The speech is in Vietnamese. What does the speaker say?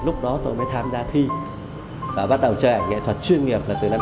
lúc đó tôi mới tham gia thi và bắt đầu chơi ảnh nghệ thuật chuyên nghiệp là từ năm chín mươi chín